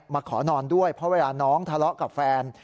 มาขอนอนด้วยเพราะเวลาน้องทะเลาะกับแฟน